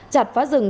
chặt phá rừng